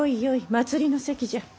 祭りの席じゃ。